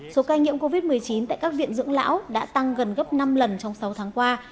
số ca nhiễm covid một mươi chín tại các viện dưỡng lão đã tăng gần gấp năm lần trong sáu tháng qua